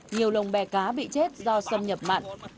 nhiều lồng bè cá bị chết do xâm nhập mặn